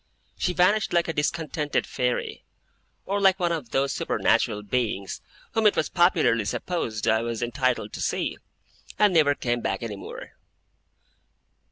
She vanished like a discontented fairy; or like one of those supernatural beings, whom it was popularly supposed I was entitled to see; and never came back any more.